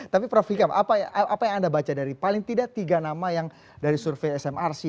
tapi prof hikam apa yang anda baca dari paling tidak tiga nama yang dari survei smrc